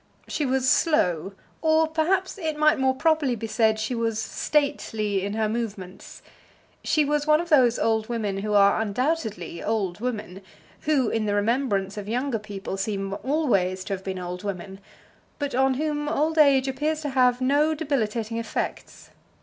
She was slow, or perhaps it might more properly be said she was stately in her movements. She was one of those old women who are undoubtedly old women, who in the remembrance of younger people seem always to have been old women, but on whom old age appears to have no debilitating effects.